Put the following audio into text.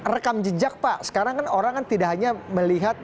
rekam jejak pak sekarang kan orang kan tidak hanya melihat